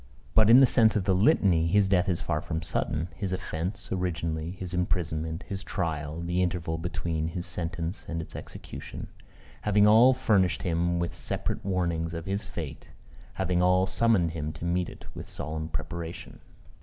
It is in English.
But, in the sense of the Litany, his death is far from sudden; his offence, originally, his imprisonment, his trial, the interval between his sentence and its execution, having all furnished him with separate warnings of his fate having all summoned him to meet it with solemn preparation.